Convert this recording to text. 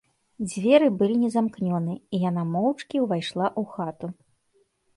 Дзверы былі незамкнёны, і яна моўчкі ўвайшла ў хату.